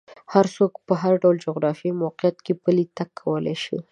هر څوک په هر ډول جغرافیایي موقعیت کې پلی تګ کولی شي.